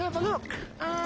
ああ。